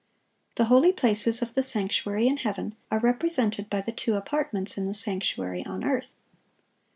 The holy places of the sanctuary in heaven are represented by the two apartments in the sanctuary on earth.